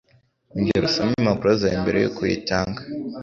Ongera usome impapuro zawe mbere yuko uyitanga.